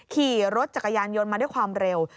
ขี่รถจักรยานยนต์มาด้วยความเร็ว